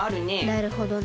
なるほどね。